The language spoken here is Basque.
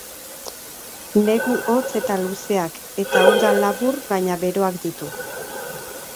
Negu hotz eta luzeak, eta uda labur baina beroak ditu.